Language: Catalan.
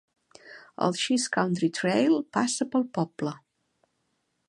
El Cheese Country Trail passa pel poble.